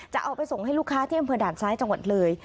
จะเอาไปส่งให้ลูกค้าที่อำเภอด่านซ้ายจังหวัดเลย